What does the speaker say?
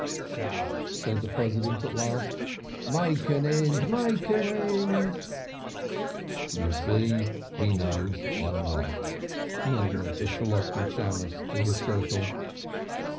"Shah!" said the President at last. "Make an end, make an end!" "You see he knows I'm right," murmured the Shalotten Shammos to his circle.